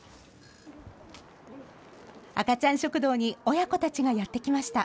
赤ちゃん食堂に親子たちがやって来ました。